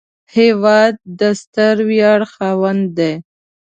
هېواد د ستر ویاړ خاوند دی